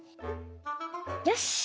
よし！